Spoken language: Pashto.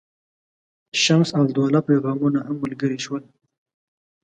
شمس الدوله پیغامونه هم ملګري شول.